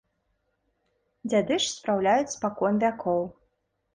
Дзяды ж спраўляюць спакон вякоў.